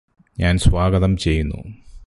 ഞാന് സ്വാഗതം ചെയ്യുന്നു